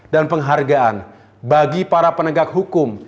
dan penghargaan bagi para penegak hukum